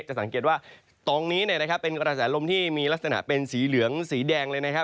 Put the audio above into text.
สังเกตว่าตรงนี้เป็นกระแสลมที่มีลักษณะเป็นสีเหลืองสีแดงเลยนะครับ